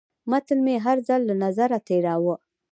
متن مې هر ځل له نظره تېراوه.